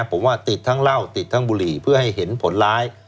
ผมว่าติดทั้งเหล้าติดทั้งบุหรี่เพื่อให้เห็นผลร้าย